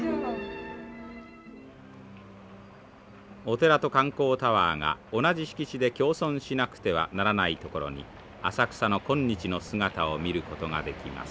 お寺と観光タワーが同じ敷地で共存しなくてはならないところに浅草の今日の姿を見ることができます。